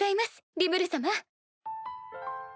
リムル様。